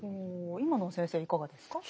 おお今のは先生いかがですか？